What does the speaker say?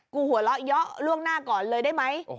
กูหัวเราะย้อเรื่องหน้าก่อนเลยได้ไหม